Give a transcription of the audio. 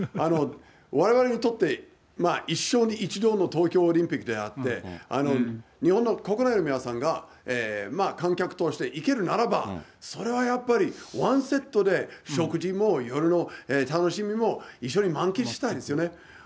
われわれにとって一生に一度の東京オリンピックであって、日本の国内の皆さんが観客として行けるならば、それはやっぱりワンセットで食事も夜の楽しみも一緒に満喫したいですよね。